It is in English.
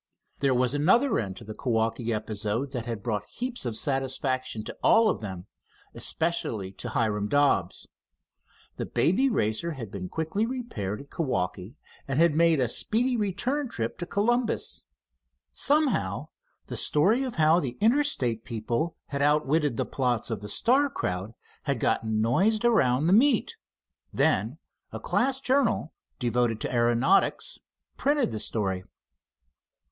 There was another end to the Kewaukee episode that had brought heaps of satisfaction to all of them, especially to Hiram Dobbs. The Baby Racer had been quickly repaired at Kewaukee, and had made a speedy return trip to Columbus. Somehow the story of how the Interstate people had outwitted the plots of the Star crowd had gotten noised around the meet. Then a class journal devoted to aeronautics printed the story.